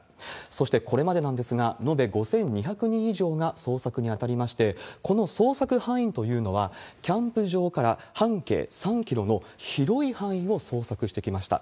そして、これまでなんですが、延べ５２００人以上が捜索に当たりまして、この捜索範囲というのは、キャンプ場から半径３キロの広い範囲を捜索してきました。